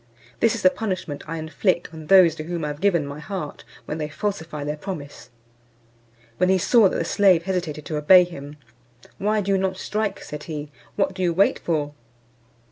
This is the punishment I inflict on those to whom I have given my heart, when they falsify their promise." When he saw that the slave hesitated to obey him, "Why do you not strike?" said he. "What do you wait for?"